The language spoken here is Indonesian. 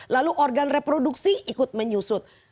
lalu organ reproduksi ikut menyusut